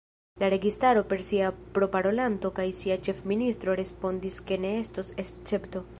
La registaro, per sia proparolanto kaj sia ĉefministro respondis ke ne estos escepto.